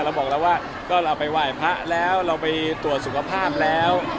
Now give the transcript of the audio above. เราบอกแล้วว่าก็เราไปไหว้พระแล้วเราไปตรวจสุขภาพแล้ว